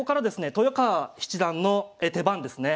豊川七段の手番ですね。